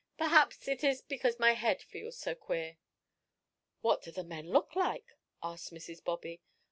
Perhaps it is because my head feels so queer." "What do the men look like?" asked Mrs. Bobby.